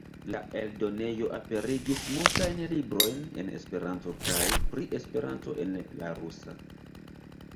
La eldonejo aperigis multajn librojn en Esperanto kaj pri Esperanto en la rusa.